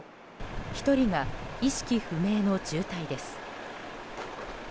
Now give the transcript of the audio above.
１人が意識不明の重体です。